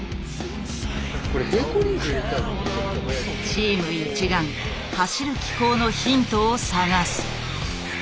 チーム一丸走る機構のヒントを探す。